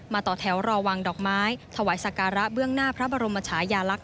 ต่อแถวรอวางดอกไม้ถวายสการะเบื้องหน้าพระบรมชายาลักษ